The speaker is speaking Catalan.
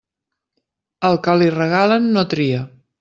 Al que li regalen, no tria.